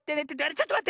ちょっとまって！